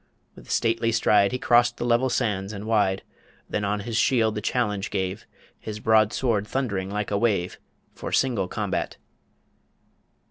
With stately stride He crossed the level sands and wide, Then on his shield the challenge gave His broad sword thund'ring like a wave For single combat.